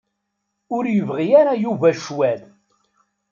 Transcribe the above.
Ur yebɣi ara Yuba ccwal.